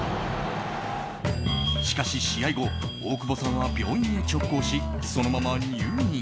しかし試合後、大久保さんは病院へ直行し、そのまま入院。